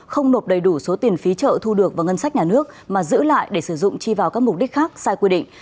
không nộp đầy đủ số tiền phí chợ thu được vào ngân sách nhà nước mà giữ lại để sử dụng chi vào các mục đích khác sai quy định